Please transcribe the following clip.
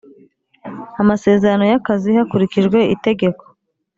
amasezerano ya kazi hakurikijwe itegeko